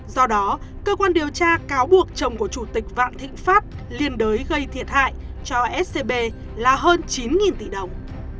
do đó cơ quan điều tra cáo buộc chồng của chủ tịch vạn thịnh pháp liên đối gây thiệt hại cho scb là hơn chín tỷ đồng